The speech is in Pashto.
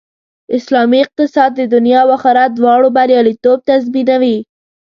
اسلامي اقتصاد د دنیا او آخرت دواړو بریالیتوب تضمینوي